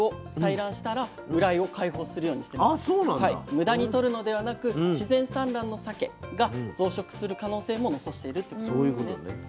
無駄にとるのではなく自然産卵のさけが増殖する可能性も残しているということなんですね。